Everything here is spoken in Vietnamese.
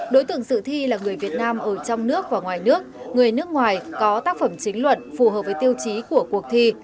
đối tượng sự thi là người việt nam ở trong nước và ngoài nước người nước ngoài có tác phẩm chính luận phù hợp với tiêu chí của cuộc thi